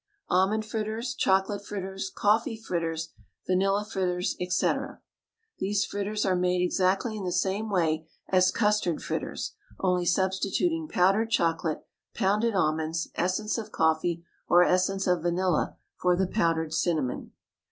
ALMOND FRITTERS, CHOCOLATE FRITTERS, COFFEE FRITTERS, VANILLA FRITTERS, &c. These fritters are made exactly in the same way as custard fritters, only substituting powdered chocolate, pounded almonds, essence of coffee, or essence of vanilla, for the powdered cinnamon.